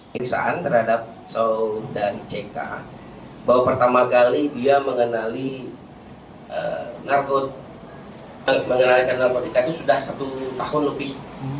pemirsaan terhadap saudari ck bahwa pertama kali dia mengenali narkotika itu sudah satu tahun lebih